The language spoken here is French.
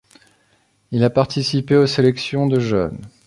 Il a participé aux sélections de jeunes.